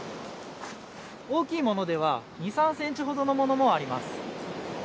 大きいものでは２、３センチほどのものもあります。